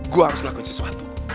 gue harus ngelakuin sesuatu